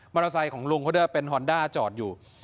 ไซค์ของลุงเขาด้วยเป็นฮอนด้าจอดอยู่